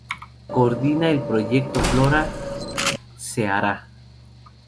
Coordina el proyecto Flora Ceará.